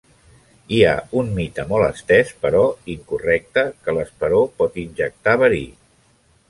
Hi ha un mite molt estès però incorrecte que l'esperó pot injectar verí.